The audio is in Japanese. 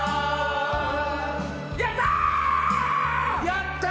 やった‼